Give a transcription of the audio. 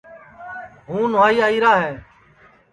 ہوں نہوائی آئی را ہے